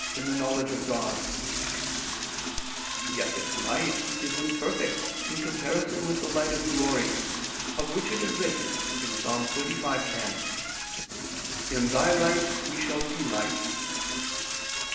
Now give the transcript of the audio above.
. in the knowledge of God"; yet this light is imperfect in comparison with the light of glory, of which it is written (Ps. 35:10): "In Thy light we shall see light."